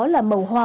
là màu hoa